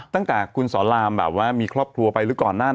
ตั้งแต่คุณสอรามมีครอบครัวไปหรือก่อนนั้น